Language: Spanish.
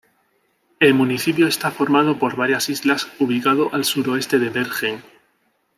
El municipio está formado por varias islas ubicado al sur-oeste de Bergen.